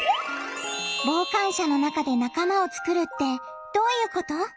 傍観者の中で仲間を作るってどういうこと？